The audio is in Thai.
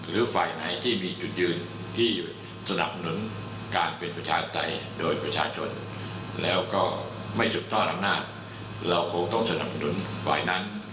เราคงต้องสนบนป่อนนั้น